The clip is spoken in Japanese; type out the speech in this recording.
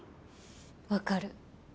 分かる。